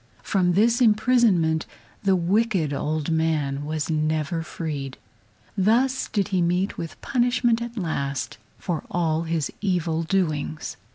From this imprisonment the wicked old man was never freed. Thus did he meet with punishment at last for all his evil doings.